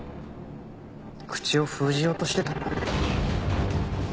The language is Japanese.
口を封じようとしてた。